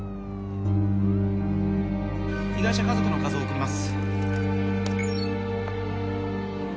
被害者家族の画像送ります。